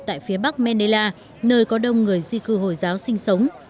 tại phía bắc mandela nơi có đông người di cư hồi giáo sinh sống